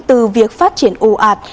từ việc phát triển ồ ạt